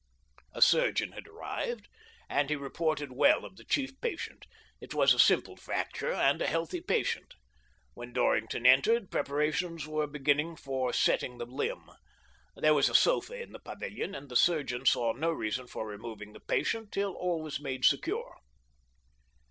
A surgeon had arrived, and he reported well of the chief patient. It was a simple fracture, and a healthy subject. "When Dorrington entered, preparations were beginning for setting the limb. There was a sofa in the pavilion, and the surgeon saw no reason for removing the patient till all was made secure.